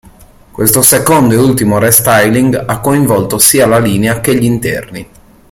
Questo secondo e ultimo restyling ha coinvolto sia la linea che gli interni.